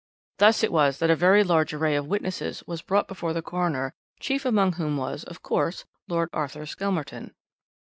Thus it was that a very large array of witnesses was brought before the coroner, chief among whom was, of course, Lord Arthur Skelmerton.